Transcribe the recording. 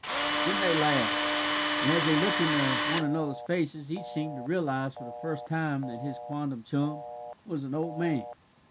Then they laughed, and as they looked into one another's faces, each seemed to realize for the first time that his quondam chum was an old man.